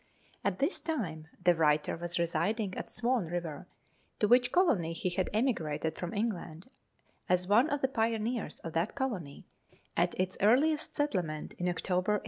At this time the writer was residing at Swan River, to which colony he had emigrated from England as one of the pioneers of that colony at its earliest settlement in October 1829.